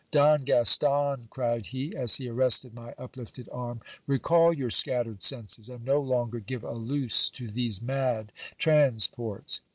Don Gaston, cried he, as he arrested my uplifted arm, recall your scattered senses, and no longer give a loose to these mad transports.